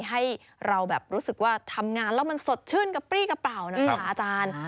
ให้เราแบบรู้สึกว่าทำงานแล้วมันสดชื่นกระปรี้กระเป๋าหน่อยค่ะอาจารย์